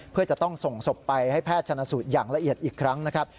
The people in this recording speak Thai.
เพื่อจะต้องส่งศพไปให้แพทย์ชนะสูตรอย่างละเอียดอีกครั้งนะครับ